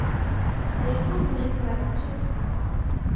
سيكون هناك بعد عشر دقائق.